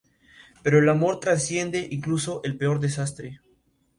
La sede de la comuna se encuentra en Av.